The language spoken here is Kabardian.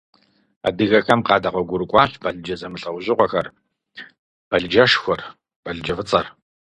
Адыгэхэм къадэгъуэгурыкӀуащ балыджэ зэмылӀэужьыгъуэхэр, балыджэшхуэр, балыджэфӀыцӀэр.